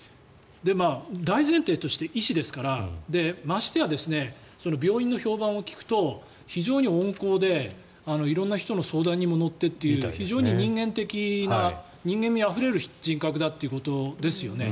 大前提として医師ですからましてや病院の評判を聞くと非常に温厚で色んな人の相談にも乗ってという非常に人間味あふれる人格だということですよね。